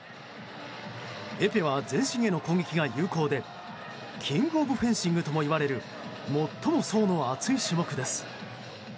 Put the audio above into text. エペは、全身への攻撃が有効でキング・オブ・フェンシングともいわれる最も層の厚い種目です。